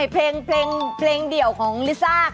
เพลงเดี่ยวของลิซ่า